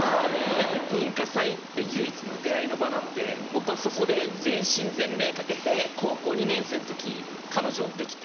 やっぱり文化祭って唯一の出会いの場なので僕はそこで全身全霊懸けて高校２年生の時彼女できて。